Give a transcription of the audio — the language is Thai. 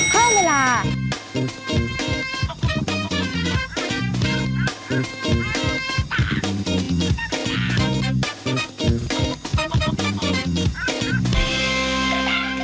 โปรดติดตามตอนต่อไป